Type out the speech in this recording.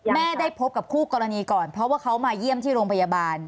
ได้พบกับคู่กรณีก่อนเพราะว่าเขามาเยี่ยมที่โรงพยาบาล